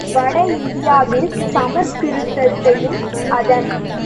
வட இந்தியாவில் சமஸ்கிருதத்தையும் அதன்